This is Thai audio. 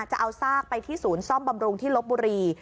จะเอาซากไปที่ศูนย์ซ่อมบำรุงที่ลบบุรี